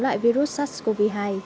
lại virus sars cov hai